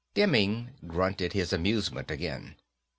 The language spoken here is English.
Demming grunted his amusement again.